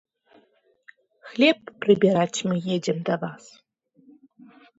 Хлеб прыбіраць мы едзем да вас.